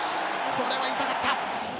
これは痛かった。